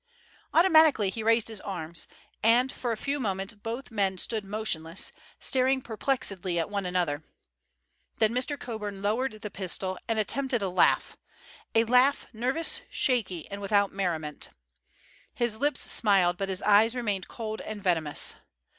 Automatically he raised his arms, and for a few moments both men stood motionless, staring perplexedly at one another. Then Mr. Coburn lowered the pistol and attempted a laugh, a laugh nervous, shaky, and without merriment. His lips smiled, but his eyes remained cold and venomous.